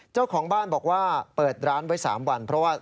เจ้าของบ้านบอกว่าเปิดร้านไว้๓วันเพราะว่า